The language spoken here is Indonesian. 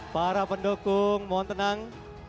para pendukung mohon tenang